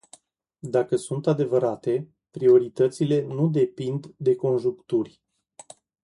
Dacă sunt adevărate, prioritățile nu depind de conjuncturi.